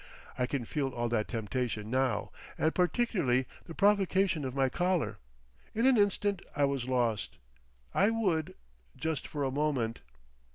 I can feel all that temptation now, and particularly the provocation of my collar. In an instant I was lost. I would—Just for a moment!